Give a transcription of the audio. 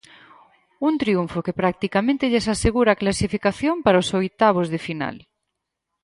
Un triunfo que practicamente lles asegura a clasificación para os oitavos de final.